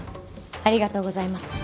ありがとうございます。